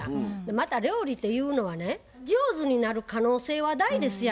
また料理っていうのはね上手になる可能性は大ですや。